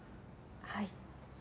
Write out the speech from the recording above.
はい。